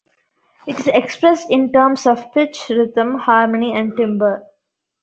It is expressed in terms of pitch, rhythm, harmony, and timbre.